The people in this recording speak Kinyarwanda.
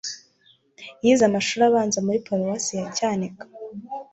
Yize amashuri abanza muri Paruwasi ya Cyanika